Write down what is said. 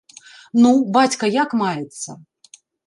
Ну, бацька як маецца?